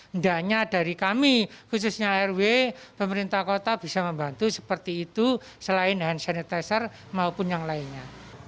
hendaknya dari kami khususnya rw pemerintah kota bisa membantu seperti itu selain hand sanitizer maupun yang lainnya